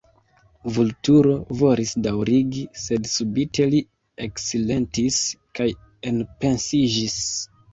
Vulturo volis daŭrigi, sed subite li eksilentis kaj enpensiĝis.